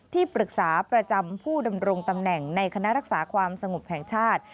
ที่ปรึกษาประจำผู้ดำรงตำแหน่งในคณะรักษาความสงบแห่งชาติ